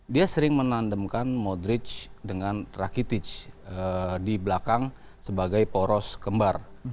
dia sering menandemkan modric dengan rakitic di belakang sebagai poros kembar